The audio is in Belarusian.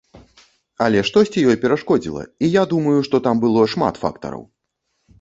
Але штосьці ёй перашкодзіла, і я думаю, што там было шмат фактараў.